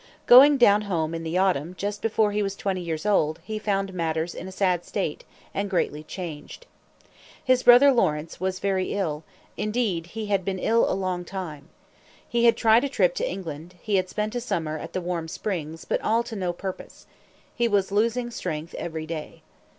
Going down home in the autumn, just before he was twenty years old, he found matters in a sad state, and greatly changed. His brother Lawrence was very ill indeed, he had been ill a long time. He had tried a trip to England; he had spent a summer at the warm springs; but all to no purpose. He was losing strength every day.